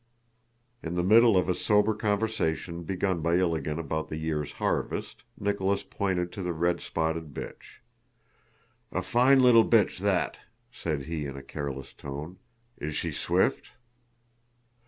In the middle of a sober conversation begun by Ilágin about the year's harvest, Nicholas pointed to the red spotted bitch. "A fine little bitch, that!" said he in a careless tone. "Is she swift?"